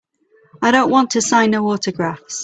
I don't wanta sign no autographs.